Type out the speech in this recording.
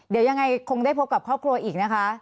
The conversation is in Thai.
เดี๋ยวยังไงคงได้พบกับครอบครัวอีกนะคะ